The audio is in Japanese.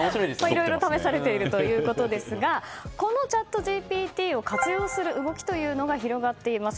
いろいろ試されているということですがこのチャットＧＰＴを活用する動きが広がっています。